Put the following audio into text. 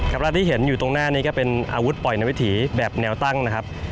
เวลาที่เห็นอยู่ตรงหน้านี้ก็เป็นอาวุธปล่อยในวิถีแบบแนวตั้งนะครับ